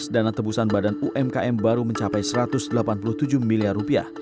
dana tebusan badan umkm baru mencapai satu ratus delapan puluh tujuh miliar rupiah